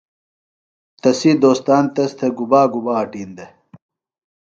تسی دوستان تس تھےۡ گُبا گُبا اٹِین دےۡ؟